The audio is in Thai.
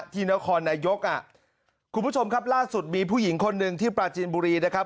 ที่นครนายกอ่ะคุณผู้ชมครับล่าสุดมีผู้หญิงคนหนึ่งที่ปราจีนบุรีนะครับ